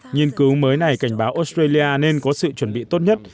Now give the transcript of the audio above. nhiên cứu mới này cảnh báo australia nên có sự chuẩn bị tốt nhất